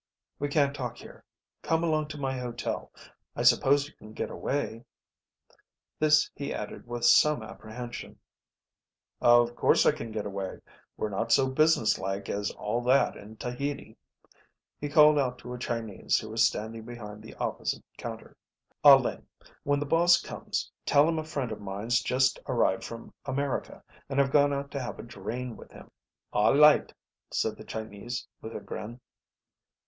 "We can't talk here. Come along to my hotel. I suppose you can get away?" This he added with some apprehension. "Of course I can get away. We're not so businesslike as all that in Tahiti." He called out to a Chinese who was standing behind the opposite counter. "Ah Ling, when the boss comes tell him a friend of mine's just arrived from America and I've gone out to have a drain with him." "All light," said the Chinese, with a grin.